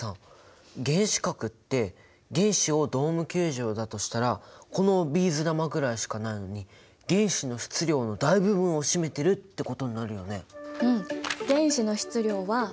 原子核って原子をドーム球場だとしたらこのビーズ玉ぐらいしかないのに原子の質量の大部分を占めてるってことになるよね。